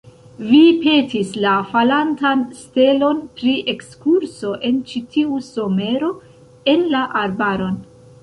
Vi petis la falantan stelon pri ekskurso en ĉi tiu somero en la arbaron.